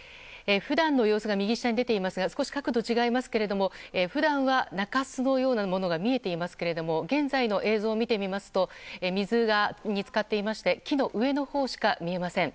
普段の様子が右下に出ていますが少し角度違いますけれども普段は中州のようなものが見えていますが現在の映像を見てみますと水につかっていまして木の上のほうしか見えません。